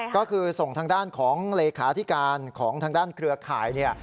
ก็คือส่งทางด้านของเลขาธิการของทางด้านเครือข่ายเนี่ย